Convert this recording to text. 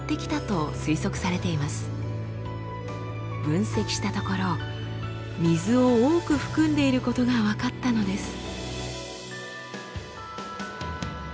分析したところ水を多く含んでいることが分かったのです。